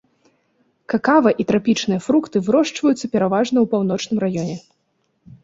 Какава і трапічныя фрукты вырошчваюцца пераважна ў паўночным раёне.